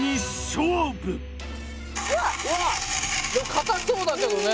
固そうだけどね